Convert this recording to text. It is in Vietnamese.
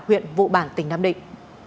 huyện vụ bản tỉnh nam định